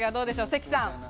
関さん。